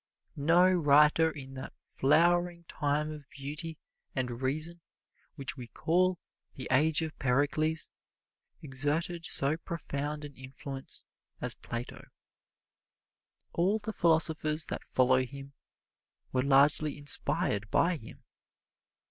No writer in that flowering time of beauty and reason which we call "The Age of Pericles" exerted so profound an influence as Plato. All the philosophers that follow him were largely inspired by him.